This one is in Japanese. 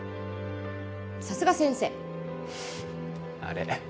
さすが先生あれ？